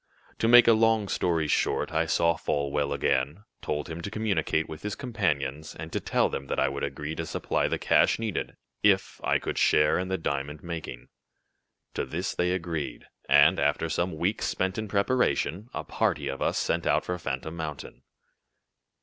"To make a long story short, I saw Folwell again, told him to communicate with his companions, and to tell them that I would agree to supply the cash needed, if I could share in the diamond making. To this they agreed, and, after some weeks spent in preparation, a party of us set out for Phantom Mountain."